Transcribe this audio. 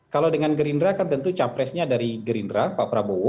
kalau dengan gerindra kan tentu capresnya dari gerindra pak prabowo